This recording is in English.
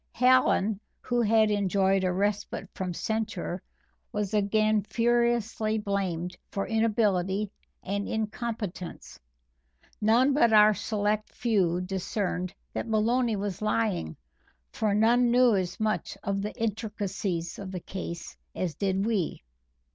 Hallen, who had enjoyed a respite from censure, was again furiously blamed for inability and incompetence. None but our select few discerned that Maloney was lying, for none knew as much of the intricacies of the case as did we.